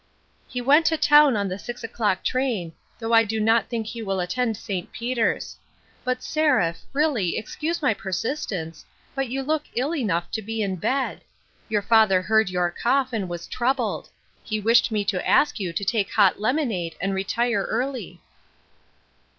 " He went to town on the six o'clock train, though I do not think he will attend St. Peter's. But, Seraph, really, excuse my persistence, but you look ill enough to be in bed. Your father heard your cough, and was troubled ; he wished me to ask you to take hot lemonade, and retire early."